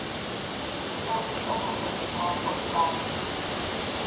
Сыпфэгушӏо мэфэкӏ мафэм пае.